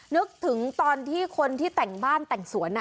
นึกถึงตอนที่คนที่แต่งบ้านแต่งสวน